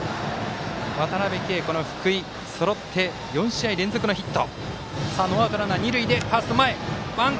渡辺憩、福井、２人そろって４試合連続のヒット。